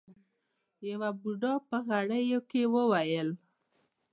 يوه بوډا په غريو کې وويل.